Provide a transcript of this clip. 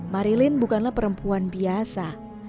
marilin bukanlah perempuan biasa